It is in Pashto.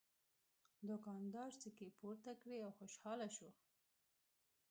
دوکاندار سکې پورته کړې او خوشحاله شو.